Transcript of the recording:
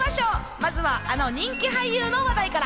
まずはあの人気俳優の話題から。